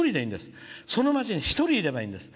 その町に１人いればいいんです。